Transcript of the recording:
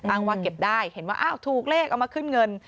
อ้างว่าเก็บได้เห็นว่าอ้าวถูกเลขเอามาขึ้นเงิน